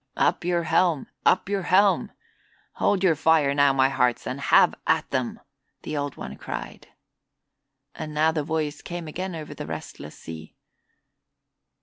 "Up your helm up your helm! Hold your fire now, my hearts, and have at them!" the Old One cried. And now the voice came again over the restless sea.